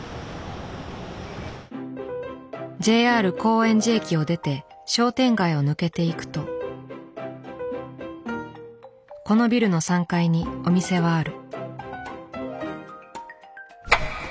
ＪＲ高円寺駅を出て商店街を抜けていくとこのビルの３階にお店はある。